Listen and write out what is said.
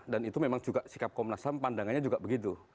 dan itu memang juga sikap komnas ham pandangannya juga begitu